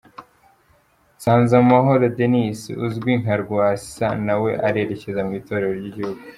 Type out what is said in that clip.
Nsanzamahoro Dennis uzwi nka Rwasa nawe arerekeza mu itorero ry'igihugu.